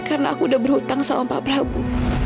karena aku udah berhutang sama pak prabu